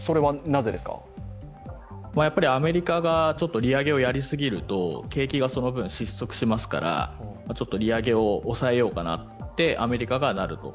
やっぱりアメリカがちょっと利上げをやりすぎると景気がその分失速しますからちょっと利上げを抑えようかなとアメリカがなると。